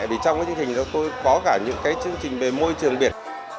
vì trong cái chương trình đó tôi có cả những cái chương trình về môi trường biển